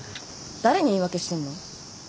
誰に言い訳してんの？